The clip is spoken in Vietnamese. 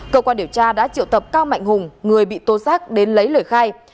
cơ quan điều tra đã triệu tập cao mạnh hùng người bị tố giác đến lấy lời khai